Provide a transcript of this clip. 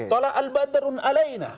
tola al badrun alaina